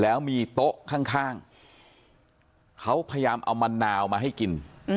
แล้วมีโต๊ะข้างเขาพยายามเอามะนาวมาให้กิน